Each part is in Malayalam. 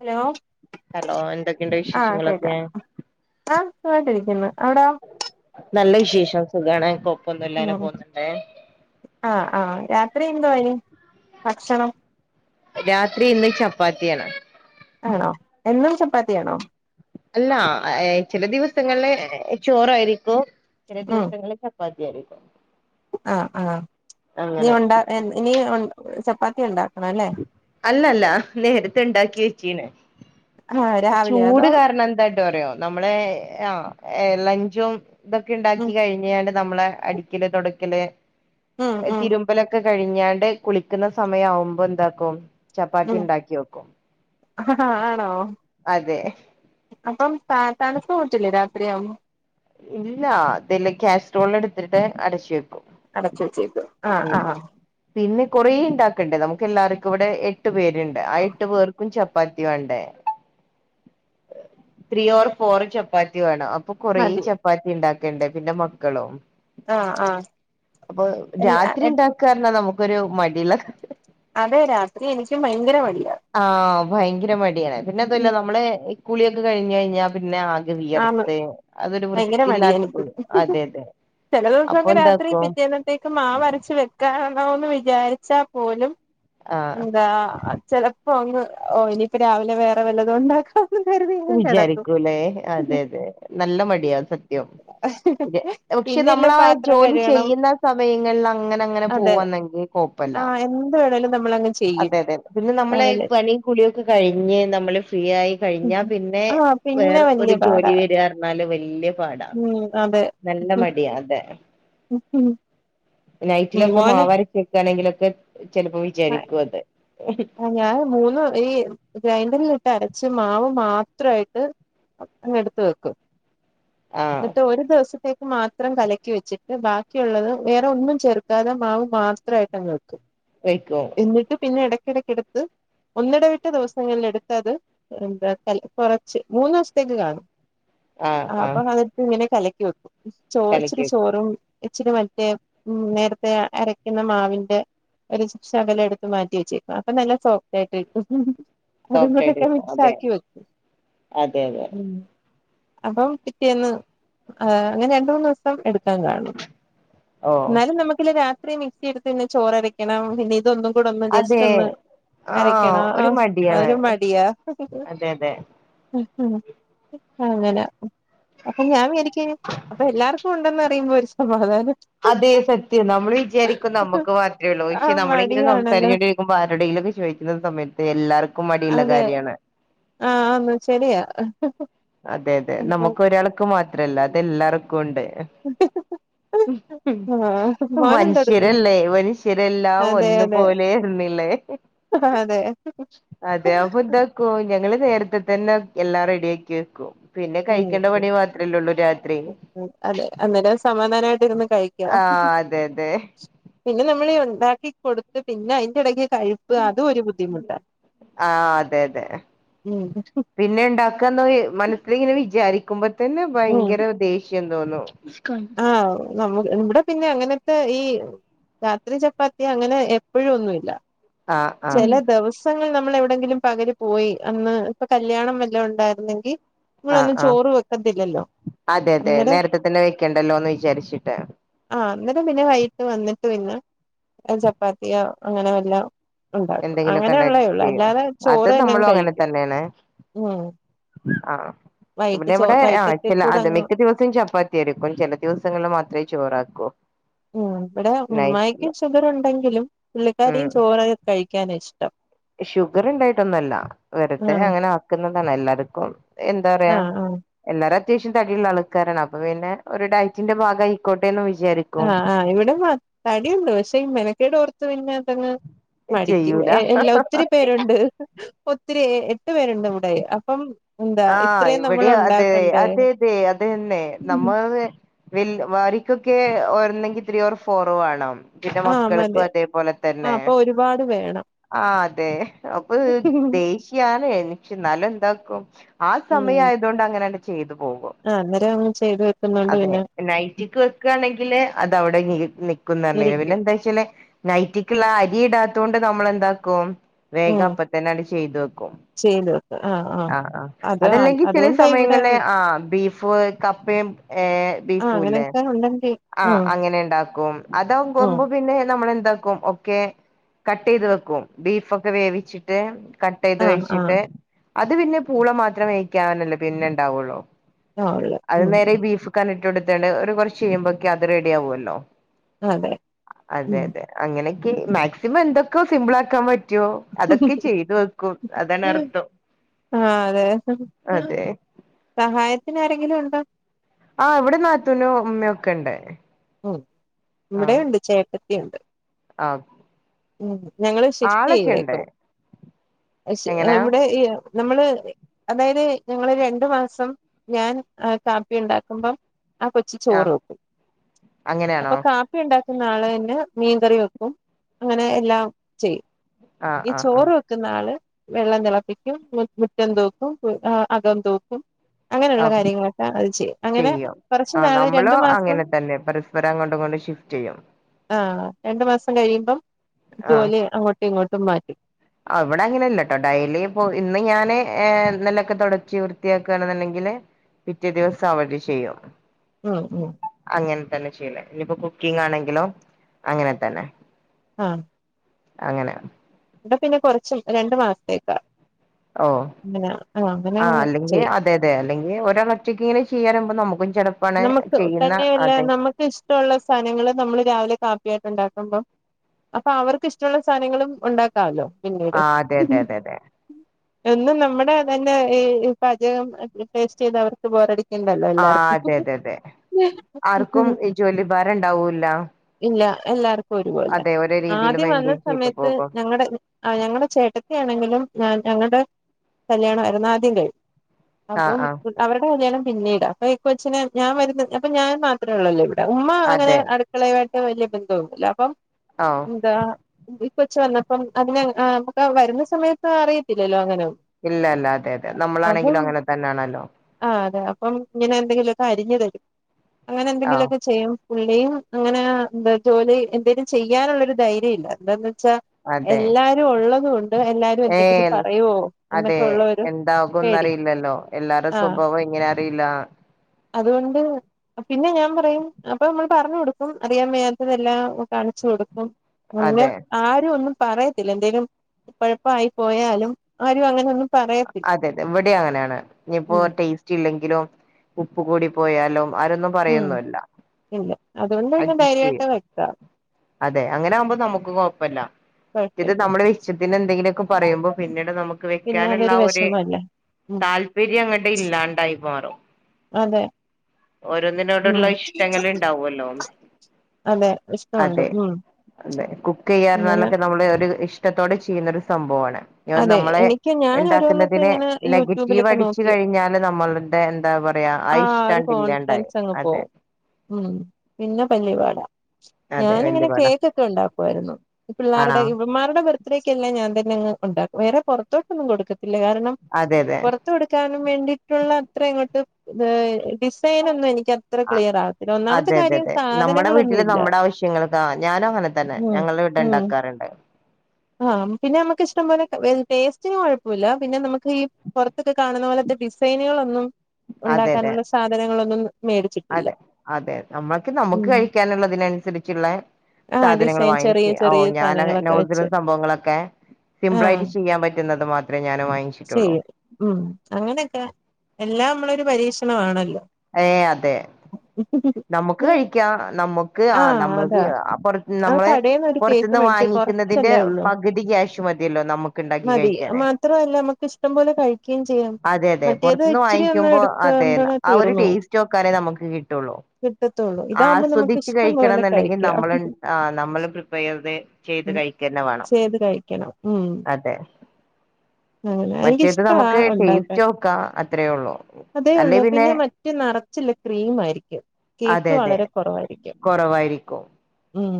ഹലോ ഹലോ എന്തൊക്കെയുണ്ട് ആ വിശേഷങ്ങളൊക്കെ കേക്കാം ആ [unintelligible] ഇന്ന് അവ്ടൊ നല്ല വിശേഷം സുഖാണ് കൊഴപ്പൊന്നുല്ലാ അങ്ങനെ പോന്നുണ്ടേ ആ ആ രാത്രി എന്തുവായ്നിം ഭക്ഷണം രാത്രി ഇന്ന് ചപ്പാത്തിയാണ് ആണോ എന്നും ചപ്പാത്തിയാണോ അല്ല ഏ ചെല ദിവസങ്ങളിൽ ചോറായിരിക്കും ചേല ദിവസങ്ങളിൽ ചപ്പ പതി അയിരിക്കും ആ ആ നീ ഉണ്ട എൻ ഇനീ ഉണ് ചപ്പാത്തി ഉണ്ടാ അല്ലല്ല നേരത്തെ ണ്ടാക്കി വെച്ചീന് ആഹ് രാവിലെയോ ചൂട് അതോ കാരണം എന്താട്ടാറിയോ നമ്മളെ ആ എ ലഞ്ചും ഇതൊക്കെ ഉം ണ്ടാക്കി കഴിഞ്ഞാണ് നമ്മളെ അടിക്കല് തൊടക്കല് ഉം എ ഉം തിരും മ്പലൊക്കെ കഴിഞ്ഞാണ്ട് കുളിക്കുന്ന സമയാവുമ്പോ എന്താക്കും ചപ്പാത്തി ഉണ്ടാക്കി വെക്കും അം ഹ ഹാ ആണോ അതെ അപ്പം ത തണുപ്പ് മുറ്റ്ല്ലേ രാത്രിയാകുമ്പോ ഇല്ല ഇതില് കാസ്ട്രോൾ ട്ത്ത്ട്ട് അടച്ചു വെക്കും അടച്ചു വെച്ചേക്കും ആഹ് മ് ആഹ് പിന്നെ കൊറേ ണ്ടാക്കണ്ടേ നമക്ക് എല്ലാവർക്കും വ്ടെ എട്ടു പേരുണ്ട് ആ എട്ടു പേർ ക്കും ചപ്പാത്തി വേണ്ടേ [inaudible] ത്രീ ഓർ ഫോർ ചപ്പാത്തി വേണം അ പ്പൊ കൊറേ മതി ചപ്പാത്തി ണ്ടാക്കണ്ടേ പിന്നെ മക്കളും ആ ആ അപ്പൊ രാത്രി ഉണ്ടാക്കാ പറഞ്ഞാ നമുക്കൊരു മടിള്ള അതെ രാത്രി എനിക്കും ഭയങ്കര മടിയാ ആഹ് ഭയങ്കര മടിയാണ്. പിന്നെ അതുവല്ല നമ്മള് കുളിയൊക്കെ കഴിഞ്ഞ് കഴിഞ്ഞാ പിന്നെ ആ കെ ആന്ന് വിയർത്ത് അതൊരു വൃത്തിയില്ലാത്ത പോലെ. അതെ അതെ ചെല അപ്പൊ ദിവസങ് രാത്രി എന്താക്കും പിറ്റേന്നത്തേക്ക് മാവ് അരച്ചു വെക്കണോന്ന് വിചാരിച്ചാൽ പോലും ആഹ് എന്താ ചിലപ്പോ അങ്ങ് ഓ ഇനിയിപ്പ രാവിലെ വേറെ വല്ലതും ഉണ്ടാക്കാം വിചാരിക്കൂല്ലേ. അതെ അതെ. നല്ല മടിയാ സത്യം. പക്ഷെ പിന്നെല്ല നമ്മളാ പാത്രം ജോലി കഴുകണം ചെയ്യുന്ന സമയങ്ങളിൽ അങ്ങനെ അങ്ങനെ അതെ പോവുന്നെങ്കിൽ കൊഴപ്പല്ല. ആഹ് എന്ത് വേണേലും നമ്മളങ്ങ് ചെയ്യും അതെ അതെ. പിന്നെ നമ്മള് പകല് പണിയും കുളിയൊക്കെ കഴിഞ്ഞ് നമ്മള് ഫ്രീയായി കഴിഞ്ഞാ പിന്നെ ആഹ് പിന്നെ വേറെ വല്യ ഒരു ജോലി പാടാ വരാ പറഞ്ഞാല് വല്യ പാടാ. ഉം അതെ നല്ല മടി യാ അതെ. ഉം നൈറ്റിലൊക്കെ മോന് മാവരച്ചു വക്കയാണെങ്കിലൊക്കെ ചിലപ്പോ വിചാരിക്കും അത്. ആഹ് ഞാൻ മൂന്ന് ഈ ഗ്രൈൻഡറിലിട്ട് അരച്ച് മാവ് മാത്രമായിട്ട് അങ്ങെടുത്ത് വക്കും. ആഹ് എന്നിട്ട് ഒരു ദിവസത്തേ ക്ക് മാത്രം കലക്കി വെച്ചിട്ട് ബാക്കിയുള്ളത് വേറെ ഒന്നും ചേർക്കാതെ മാവ് മാത്രമായിട്ടങ്ങ് വെക്കും. വെയ്ക്കും. എന്നിട്ട് പിന്നെ ഇടയ്ക്കിടക്കെടുത്ത് ഒന്നിടവിട്ട ദിവസങ്ങളില് എടുത്ത് അത് എന്താ ക്കൽ കൊറച്ച് മൂന്ന് ദിവസത്തേക്ക് കാണും ആഹ് അപ്പൊ കാലത്ത് ഇങ്ങനെ കലക്കി വെക്കും. ചോ കലക്കി ഇച്ചിരി വെക്കും ചോറും ഇച്ചിരി മറ്റേ ഉം നേരത്തെ അരയ്ക്കുന്ന മാവിന്റെ ഒരു ശകലം എടുത്ത് മാറ്റി വെച്ചേക്കാ അപ്പൊ നല്ല സോഫ്റ്റ് ആയിട്ട് കിട്ടും. അതും സോഫ്റ്റ് കൂടെ ആയിട്ട് ഒക്കെ വെക്കും മിക്സ് അതെ ആക്കി വയ്ക്കും. അതെ അതെ ഉം അപ്പം പിറ്റേന്ന് ഏഹ് അങ്ങനെ രണ്ടു മൂന്ന് ദിവസം എടു ക്കാൻ കാണും. ഓ എന്നാലും നമുക്കില്ലെ രാത്രി മിക്സി എടുത്ത് പിന്നെ ചോറരയ്ക്കണം. പിന്നെ ഇതൊന്നും കൂടെ ഒന്ന് ജസ് അതെ റ്റൊന്ന് ആഹ് അരക്കണം. ഒരു ആഹ് മടിയാണ് അതൊരു മടിയാ. അതെ അതെ അങ്ങനെ അപ്പൊ ഞാൻ വിചാരിക്കാണ് അപ്പൊ എല്ലാവർക്കും ഉണ്ടെന്ന് അറിയുമ്പോ ഒരു സമാധാനം. അതെ സത്യം. നമ്മള് വിചാരിക്കും നമുക്ക് മാത്രേ ഉള്ളൂ. പക്ഷെ ആഹ് നമ്മളിങ്ങനെ മടിയാണല്ലോ സംസാരിക്കു മുൻപ് ആരോടെങ്കിലൊക്കെ ചോദിക്കുന്ന സമയത്ത് എല്ലാവർക്കും മടിയുള്ള അതെ കാര്യമാണ്. ആഹ് ആഹ് ന് ശരിയാ. അതെ അതെ അപ്പം നമുക്ക് ഒരാൾക്ക് മാത്രല്ല. അതെല്ലാർക്കും ഉണ്ട്. ഹ് ഹും ആഹ് മോനെന്തെടുക്കുന്നു മനുഷ്യരല്ലേ മനുഷ്യരെല്ലാം അതെ ഒന്നു അതെ പോലെ എന്നില്ലേ. അതെ ഹ് ഹും അതെ അപ്പൊ ഇതാക്കും ഞങ്ങള് നേരത്തെ തന്നെ എല്ലാം റെഡി ആക്കി വെക്കും പിന്നെ ഉം കഴിക്കണ്ട ഉം പണി മാത്രല്ലേള്ളൂ രാത്രി അതെ അന്നേരം സമാധാനമായിട്ട് ഇരുന്ന് കഴിക്കാം ആ അതെ അതെ പിന്നെ നമ്മളി ഒണ്ടാക്കി കൊടുത്ത് പിന്നെ അതിന്റെ ഇടയ്ക്ക് കഴി അത് ഒരു ബുദ്ധിമുട്ടാണ് ആ അതെ അതെ ഉം പിന്നെ ഉണ്ടാക്കാന്ന് മനസ്സിൽ ഇങ്ങനെ വിചാരിക്കുമ്പോ തന്നെ ഉം ഭയങ്കര ദേഷ്യ ഷ്യം തോന്നുന്നും ആഹ് നമ്മ ഇവടേ പിന്നെ അങ്ങനത്തെ ഈ രാത്രി ചപ്പാത്തി. അങ്ങനെ എപ്പോഴൊന്നുല്ല. ആഹ് ആഹ് ചില ദിവ സങ്ങളിൽ നമ്മൾ എവിടെയെങ്കിലും പകല് പോയി. അന്ന് ഇപ്പ കല്യാണം വെല്ലോം ണ്ടായിരുന്നെങ്കി. ആഹ് നമ്മളൊന്നും ആഹ് ചോറ് വെക്കത്തില്ലല്ലോ. അന്നേരം പിന്നേ വെക്കണ്ടല്ലോ ന്ന് വിചാരിച്ചിട്ട്. ആഹ് അന്നരം പിന്നെ വൈകിട്ട് വന്നിട്ട് പിന്നെ ചപ്പാത്തിയോ അങ്ങനെ വല്ലോം ഉണ്ടാക്കും. എന്തെങ്കിലുമൊക്കെ അങ്ങനെ ഉണ്ടാക്കി ള്ളേള്ളൂ. ചെയ്യും അല്ലാതെ അത് ചോറ് തന്നെ നമ്മളും അങ്ങനെ കഴിക്കും. തന്നെയാണ് ഉം ആഹ്. വൈകിട്ട് നമ്മടെ ചോ ഇവിടെ ആഴ്‌ചല് വൈകിട്ടത്തേക്കൂടെ അത് അങ്ങ് മിക്ക ദിവസം ചപ്പാ ത്യാരിക്കും. ചില ദിവസങ്ങളിൽ മാത്രമേ ചോറാക്കൂ. ഉം ഇവിടെ ഉമ്മായിക്കും നൈറ്റില് ഷുഗർ ഉണ്ടെങ്കിലും ഉം പുള്ളിക്കാരിയും ചോറ കഴിക്കാനിഷ്ടം. ഷുഗർ ണ്ടായിട്ടൊന്നല്ല. വെറുതെ ആഹ് അങ്ങനെ കുന്നതാണ്. എല്ലാര്ക്കും എന്താ പറയാ ആഹ് ആഹ് എല്ലാരും അത്യാവശ്യം തടിയുള്ള ആൾക്കാരാണ്. അപ്പൊ പിന്നെ ഒരു ഡയറ്റിന്റെ ഭാഗായിക്കോട്ടെ ന്ന് വിചാരി ആഹ് ആഹ് ഇവിടെ മ തടിയുണ്ട്. പക്ഷെ ഈ മേനക്കേട് ഓർത്ത് പിന്നെ അതങ്ങ് മടിക്കും. എ ചെയ്യൂല എല്ലാ ഒത്തിരി പേരുണ്ട്. ഒത്തിരി എട്ട് പേരുണ്ട് വിടെ. അപ്പം എന്താ ആഹ് ഇത്രയും നമ്മൾ ഇവിടെ അതെ ഉണ്ടാക്കണ്ടേ അതെ തെ അതെന്നെ നമ്മ വെ വെൽ വാരിക്കൊക്കെ ഓരുന്നെങ്കി ത്രീ ഓർ ഫോർ വേണം. പിന്നെ ആഹ് മതി മക്കൾക്കും അതേപോലെ ആഹ് തന്നെ. അപ്പൊ ഒരുപാട് വേണം. ആഹ് തെ അപ്പൊ ദേഷ്യാണ് എനിക്ക്. ന്നാലും എന്താക്കും. ആഹ് ഉം സമയായതുകൊണ്ട് അങ്ങനെങ്ങട് ചെയ്തു പോകും. ആഹ് അന്നെരം ചെയ്ത് വെക്കുന്നോണ്ട് അതെ പിന്നെ നൈറ്റിക്ക് വെക്കാണെങ്കില് അതവിടെ നിക്കന്ന് പറഞ് പിന്നെ ഇരിക്കും എന്താ വെച്ചെല് നൈറ്റിക്ക്ള്ള അരി ഇടാതൊണ്ട് നമ്മളെന്താക്കും വേഗം ഉം അപ്പ തന്നെ അങ്ങട് ചെയ്തു വെക്കും. ആഹ് അഹ് അത് അതല്ലെങ്കി ചില അതുകൊണ്ടാ ഇവിടെ സമയങ്ങളില് ആഹ് ബീഫ് കപ്പേം ഏഹ് ആഹ് ബീഫുംല്ലേ അങ്ങനെയൊക്കെ ഉണ്ടെങ്കിൽ ആഹ് ഉം അങ്ങനെ ണ്ടാക്കും. അതാവ് ഉം പോ പിന്നെ നമ്മളെന്താക്കും ഒക്കെ കട്ടയ്ത് വെക്കും. ബീഫ ക്കെ വേവിച്ചിട്ട് കട്ട് ആഹ് ആഹ് ട്ടയ്തുവെച്ചിട്ട് അത് പിന്നെ പൂള മാത്രം വേവിക്കാവാനല്ലോ പിന്നെ ണ്ടാവുള്ളു. ആ ഉള്ളു അഹ് ഉം നേരെ ഉം. ബീഫ്ക്കാണ്ട് ട്ട് കൊടുത്തേണ്ട് ഒരു കുറച്ച് കയ്യുമ്പോക് അത് റെഡിയാവുമല്ലോ. അതെ ഉം അതെ തെ അങ്ങനെക്കെ മാക്സിമം എന്തൊക്കെ സിമ്പിൾ ആക്കാൻ പ റ്റോ അതൊക്കെ ചെയ്തു വെക്കും. അതന്നർത്ഥം. ആഹ് അതെ സഹായത്തിന് ആരെങ്കിലും ണ്ടോ. ആഹ് വിടെ നാതൂനും മ്മക്കെ ണ്ട്. ഉം ഇവിടെ ഉണ്ട് ചേട്ടത്തി ഉണ്ട്. ആഹ് ഉം ഞങ്ങള് ഷിഫ്റ്റ് ആളൊക്കെ ചെയ്യേണ്ട്. ഉണ്ട് പ്പോ ക്ഷേ എങ്ങനാ ഇവിടെ ഇ നമ്മള് അതായത് ഞങ്ങള് രണ്ട് മാസം ഞാൻ കാപ്പി ണ്ടാക്കുമ്പം ആ കൊച്ച് ചോറ് ആഹ് വെക്കും. അപ്പൊ അങ്ങനെയാണോ കാപ്പി ണ്ടാക്കുന്ന ആള് തന്നെ മീൻകറി വെക്കും. അങ്ങനെ എല്ലാം ചെയ്യും. ആഹ് ഈ ആഹ് ആഹ് ചോറ് ക്കുന്ന ആള് വെള്ളം തിളപ്പിക്കും. മുറ്റം തൂക്കും. അകം തൂക്കും. അങ്ങനെള്ള ഓഹ് കാര്യങ്ങളൊക്കെ അത് ചെയ്യും. അങ്ങനെ കൊറച്ച് നാള് രണ്ടു മാസം. ഇവരെ അങ്ങോട്ടുംങ്ങോട്ടും ഷിഫ്റ്റ് യ്യും. ആഹ് രണ്ടു മാസം കഴിയുമ്പം ആഹ് ജോലി അങ്ങോട്ടും ഇങ്ങോട്ടും മാറ്റും. ആഹ് വിടെ അങ്ങനെ ല്ലാട്ടോ. ഡൈലി പ്പോ ഇന്ന് ഞാന് ന്നല്ലൊക്കെ തുടച്ച് വൃത്തിയാക്കുകയാണെന്നുണ്ടെങ്കില് പിറ്റേ ദിവസം അവടെ ചെയ്യും ഉ ഉ അങ്ങനെ തന്നെ ചെയ്യലേ ഇനിയിപ്പോ കുക്കിംഗ് ആണെങ്കിലോ അങ്ങനെ തന്നെ ആം അങ്ങനെ ഇവടെ പിന്നെ കൊറച്ചും രണ്ട മാസത്തേക്കാ ഓഹ് അങ്ങനെ ആ അങ്ങനെയ ചെയ്യും അതെതെ അല്ലെങ്കിൽ ഒരാള് ഒറ്റക്കി ങ്ങനെ ചെയ്യാനുമോ നമുക്കും ചെല നമുക്ക് തന്നെയല്ല നമുക്ക് ഇഷ്ടമുള്ള സാധനങ്ങള്ൾ നമ്മള് രാവിലെ കാപ്പിയായിട്ട് ഉണ്ടാക്കുമ്പോം അപ്പൊ അവർക്ക് ഇഷ്ടമുള്ള സാധനങ്ങളും ഉണ്ടാക്കാല്ലോ പിന്നീട് ആ അതെ അതെ അതെ അതെ എന്നും നമ്മുടെ തന്നെ ഈ പാചകം ടെസ്റ്റ് ചെയ്ത് അവർക്ക് ബോറടിക്കേണ്ടല്ലോ ആ എല്ലാവർക്കും അതെ അതെ അതെ ആർക്കും ഈ ജോലി ഭാരം ഉണ്ടാവൂല്ല ഇല്ല എല്ലാർക്കും ഒരുപോലെ അതെ ഒരേ രീതിയിൽ ആദ്യം വന്ന മെയിന്റെയിൻ ചെയ്തു സമയത്ത് പോകും ഞ ഞങ്ങളുടെ ചേട്ടത്തി ആണെങ്കിലും ഞങ്ങടെ കല്യാണംമായിരുന്നു ആദ്യം കഴിയും ആ അപ്പം ആ അവരുടെ കല്യാണം പിന്നീട് അപ്പൊ കൊച്ചന് ഞാൻ വരുന്ന അപ്പൊ ഞാൻ മാത്രേ ഉള്ളല്ലോള്ളൂ ഉമ്മ അങ്ങനെ അതെ അടുക്കളയുമായിട്ട് വലിയ ബന്ധന്നല്ല അപ്പം ആഹ് എന്താ ഇ കൊ കൊച്ച് വന്നപ്പം അതിന നമുക്ക് വരുന്ന സമയത്ത് അറിയത്തില്ലല്ലോ അങ്ങനെയൊന്നും ഇല്ല ഇല്ല അതെ അതെ നമ്മളാണെങ്കിലും അങ്ങനെ തന്നൊണല്ലോ ആഹ് അതെ അപ്പം ഇങ്ങനെ എന്തെങ്കിലുമൊക്കെ അരിഞ്ഞു തരും അങ്ങനെ ആ എന്തെങ്കിലുംക്കെ ചെയ്യും പുള്ളീം അങ്ങനെ എന്താ ജോലി എന്തേലും ചെയ്യാനുള്ളരു ധൈര്യമില്ല എന്താന്ന് വെച്ചാ അതെ എല്ലാരും ഉള്ളതും ഉണ്ട് എല്ലാരും ഏ എന്തെങ്കിലും പറയുവോ അതെ എന്നൊക്കെ ഉള്ള ഒരു എന്താകുംന്ന പേടി അറിയില്ലല്ലോ എല്ലാരും ആഹ് സ്വഭാവമല്ലേ എങ്ങനെ അറിയില്ല അതുകൊണ്ട് പിന്നെ ഞാൻ പറയും അപ്പൊ നമ്മൾ പറഞ്ഞു കൊടുക്കും അറിയാൻ വേയാത്തതെല്ലാം കാണിച്ചു കൊടുക്കും അങ്ങ അതെ ആര ഒന്നും പറയത്തില്ല എന്തെങ്കലും കുഴപ്പായി പോയാലും ആരും അങ്ങനെന്നും അതെ അതെ ഇവിടെ അങ്ങനെയാണ് ഇനിയിപ്പോ ഉം ടേസ്റ്റ് റ്റില്ലെങ്കിലോ ഉപ്പ് കൂടി പോയാലോ ആരൊന്നും ഉ പറയൊന്നുല്ല ഇല്ല അതുകൊണ്ട് തന്നെ അഡ്ജസ്റ്റ് ധൈര്യമായിട്ട് ചെയ്യും വെക്ക അതെ അങ്ങനെ ആകുമ്പോൾ നമുക്ക് കുഴപ്പമില്ല ഇത് കുഴപ്പമില്ല നമ്മുടെ അത്തിന് എന്തങ്കിലുമൊക്കെ പറയുമ്പോ പിന്നീട് നമുക്ക് പിന്നെ വെക്കാനുള്ള അതൊരു ഒരു വിഷമല്ലേ ഉം താല്പര്യം അങ്ങട്ട ഇല്ലാണ്ടായി മാറും അതെ ഉം ഓരോന്നിനോടുള്ള ഇഷ്ടങ്ങള് ഉണ്ടാവുമല്ലോ [inaudible] അതെ ഇഷ്ടമുണ്ട് അതെ ഉം അതെ കുക്ക് അങ്ങനെ ചെയ്യാറാലൊക്കെ നമ്മള് ഒരു ഇഷ്ടത്തോടെ ചെയ്യുന്നൊ ഒരു സംഭവമാണ് അതെ നമ്മളെ എനിക്ക് ഞാൻ ഓരോന്നൊക്കെ ഉണ്ടാക്കുന്നതിന് ഇങ്ങനെ നെഗറ്റീവ് യൂട്യൂബിലൊക്കെ അടിച്ചു നോക്കി കഴിഞ്ഞാല് നമ്മൾ എന്താ പറയാ അ ആ ഒരു ഇഷ്ടണ്ടില്ലാണ്ടായി കോൺഫിഡൻസ് അങ്ങ് അതെ പോവും ഉം പിന്നെ പല്ലിപാടാ അതെ വല്യ ഞാനിങ്ങനെ പടാ കേക്കൊക്കെ ഉണ്ടാക്കുവായിരുന്നു ആണോ പിള്ളേരുടെ ഇമാരുടെ ബെർ ത്തഡേക്ക് ഞാൻ തന്നെങ്ങ് ഉണ്ടക്കും വേറെ പുറത്തോട്ടൊന്നും കൊടുക്കത്തില്ല കാരണം അതെ അതെ പൊർ ർത്ത്കൊടുക്കാനും വേണ്ടിയിട്ടുള്ള അത്ര അങ്ങോട്ട് ഡിസൈന് ഒന്നും എനിക്ക് ആ ക്ലിയർ ആവത്തില്ല ഒന്നാമത്തെ അതെ അതെ കാര്യം അതെ നമ്മടെ സാധനങ്ങളൊന്നും വീട്ടില് ഇല്ല നമ്മടെ ആവശ്യങ്ങൾക്ക ഞാനും അങ്ങനെ തന്നെ ഞങ്ങൾടെ വീട്ടില്ണ്ടാക്കാറ്ണ്ട്. ആ പിന്നെ നമക്ക് ഇഷ്ടംപോലെ ടേസ്റ്റിന് കൊഴപോല്ല പിന്നെ നമുക്ക് ഈ പൊർത്ത്ന്നൊക്കെ കാണുന്ന പോലത്തെ ഡിസൈനുകളൊന്നും അതെ അതെ ഉണ്ടാക്കാനുള്ള സാധനങ്ങളൊന്നും മേടിച്ചിട്ടില്ല അതെ അതെ നമ്മക്ക് നമുക്ക് ഉം കഴിക്കാനുള്ളതിനനുസരിച്ച്ള്ളെ ആഹ് സാധനങ്ങള് ഡിസൈൻ ചെറിയ വാങ്ങിക്കി ഓ ചെറിയ ഞാന് സാധനങ്ങളൊക്കെ നോൽദും വെച്ച് സംഭവങ്ങളൊക്കെ ആഹ് സിമ്പിളായിട്ട് ചെയ്യാൻ പറ്റുന്നത് മാത്രേ ഞാന് വാങ്ങിച്ചിട്ടൊള്ളൂ. ചെയ്യും ഉം അങ്ങനൊക്കെ എല്ലാം നമ്മളൊരു പരീക്ഷണമാേണല്ലോ. ഏ അതെ. നമ്മുക്ക് കഴിക്ക്യാം നമ്മുക്ക് ആ ആഹ് അതാ നമ്മക്യാ പൊർത്ത് ആ നമ്മളെ കടേന്ന് ഒരു കേക്ക് പൊർത്ത്ന്ന് മേടിച്ച് വാങ്ങി തിന്നതിന്റെ കൊറച്ചല്ലേ ഉള്ളൂ പ കുതി കാശ് മതിയല്ലോ നമുക്ക് ഇണ്ടാക്കി മതി കഴിക്കാനെ. മാത്രമല്ല നമുക്ക് ഇഷ്ടം പോലെ കഴിക്കുകയും ചെയ്യാം അതെ അതെ മറ്റേത് പൊർത്ത്ന്ന് ഇച്ചിരി ഒന്ന് വാങ്ങിക്കുമ്പോ അതെ എടുക്കുമ്പോഴേ ആ ഒര് ടേസ്റ്റോക്കാരം നമുക്ക് കിട്ടൊള്ളൂ. കിട്ടത്തൊള്ളൂ. ആസ്വദിച്ച് കഴിക്കണംന്ന്ണ്ടെങ്കി നമ്മള് ആ നമ്മള് പ്രിപ്പയറെയ്തത് ചെയ്ത് കഴിക്കന്നെ വേണം ചെയ്ത് കഴിക്കണം ഉം അതെ. അങ്ങനെ മറ്റേത് എനിക്കിഷ്ടവാ നമുക്ക് ഉണ്ടാക്കാൻ ടേസ്റ്റോക്കാ അത്രേള്ളു അല്ലേ പിന്നെ തീനർച്ച്ളെള ക്രീം ആയിരിക്കും കേക്ക് അതെ അതെ വളരെ കൊറവായിരിക്കും. കുറവായിരിക്കും ഉം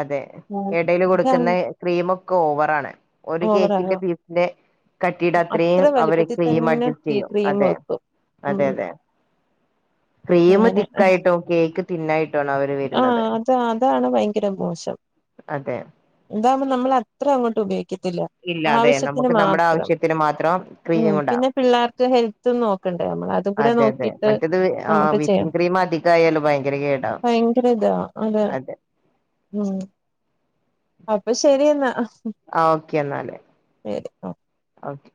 അതെ എടേല് ഇതാ കൊട്ക്ക്ന്ന ക്രീമൊക്കെ ഓവറാണ്. ഒര് ഓവറാണ് കേക്കിന്റെ ബീസ്ന്ന് കട്ടിടെഅത്രം അത്ര അവര് വലിപ്പത്തിൽ ക്രീം തന്നെ ഈ അഡ്ജസ്റ്റെയ്യും ക്രീം അതെ വെക്കും ഉം അതെ അതെ. ക്രീം അങ്ങനെ തിക്കായിട്ടും കേക്ക് തിന്നായിട്ടും അവര് വരുന്നത്. താ അതാണ് ഭയങ്കര മോശം. അതെ. ഇതാവുമ്പോ നമ്മള അത്ര അങ്ങോട്ട് ഉപയോഗിക്കത്തില്ല. ഇല്ല അതെ ആവശ്യത്തിന് നമുക്ക് നമ്മുടെ മാത്രം ആവശ്യത്തിന് മാത്രം ഉം ക്രീം ഉണ്ടാവും പിന്നെ പിള്ളേർക്ക് ഹെൽ ത്ത് നോക്കണ്ടേ നമ്മളെ അത് കൂടെ അതെ അതെ നോക്കിട്ട് മറ്റത് ആ നമക്ക് ചെയ്യാം വിപ്പിംഗ് ക്രീം അധികയാല് ഭയങ്കര കേടാവും ഭയങ്കരതാ. അതെ ഉംഅപ്പൊ ശരിന്നാ. ആ ഓക്കെന്നാല്. ശരി ഒ ഓക്കെ.